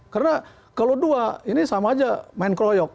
karena kalau dua ini sama aja main kroyok